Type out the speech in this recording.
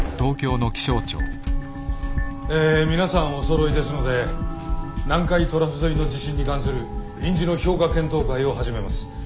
え皆さんおそろいですので南海トラフ沿いの地震に関する臨時の評価検討会を始めます。